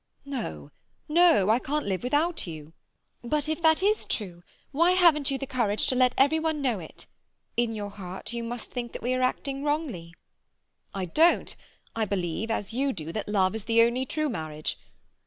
"No, no! I can't live without you—" "But, if that is true, why haven't you the courage to let every one know it? In your heart you must think that we are acting wrongly." "I don't! I believe, as you do, that love is the only true marriage.